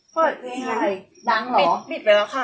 เปิดเพลงอะไรดังเหรอปิดไปแล้วค่ะ